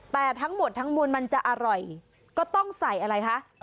แต่ทั้งหมดทั้งมวลมันจะอร่อยก็ต้องใส่อะไรคะ